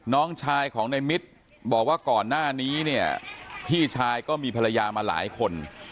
น้องชายของในมิตรบอกว่าก่อนหน้านี้เนี่ยพี่ชายก็มีภรรยามาหลายคน